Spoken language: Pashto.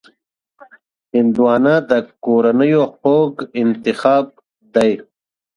هندوانه د کورنیو خوږ انتخاب دی.